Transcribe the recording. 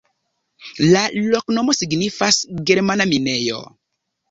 La loknomo signifas: germana-minejo.